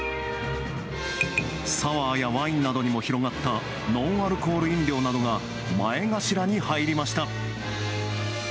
サワーやワインなどにも広がったノンアルコール飲料などが前頭に入りました。